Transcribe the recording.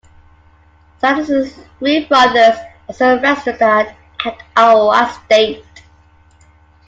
Sanderson's three brothers also wrestled at Iowa State.